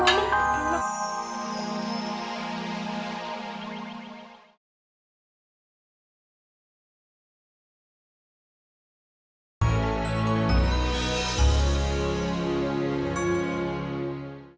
ibu makan dulu makan dulu